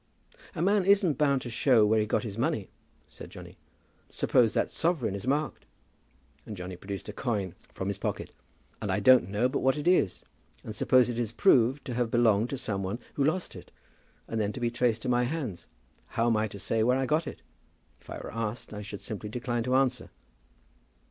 "A man isn't bound to show where he got his money," said Johnny. "Suppose that sovereign is marked," and Johnny produced a coin from his pocket, "and I don't know but what it is; and suppose it is proved to have belonged to some one who lost it, and then to be traced to my hands, how am I to say where I got it? If I were asked, I should simply decline to answer."